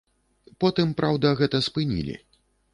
Потым, праўда, гэта спынілі.